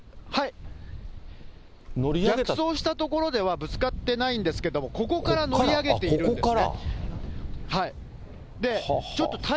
逆走した所では、ぶつかってないんですけれども、ここから乗り上げてるんですね。